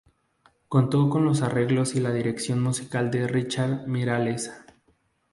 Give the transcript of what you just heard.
Contó con los arreglos y la dirección musical de Ricard Miralles.